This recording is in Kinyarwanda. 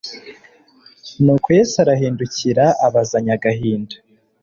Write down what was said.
Nuko Yesu arahindukira abazanya agahinda;